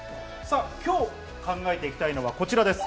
今日考えていきたいのはこちらです。